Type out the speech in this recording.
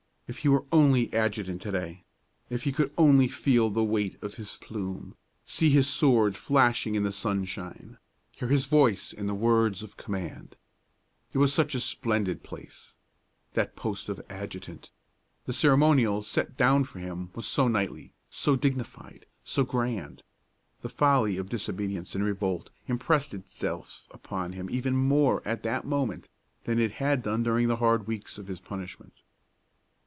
If he were only adjutant to day! if he could only feel the weight of his plume, see his sword flashing in the sunshine, hear his voice in words of command! It was such a splendid place, that post of adjutant; the ceremonial set down for him was so knightly, so dignified, so grand! The folly of disobedience and revolt impressed itself upon him even more at that moment than it had done during the hard weeks of his punishment.